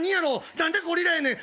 何でゴリラやねん！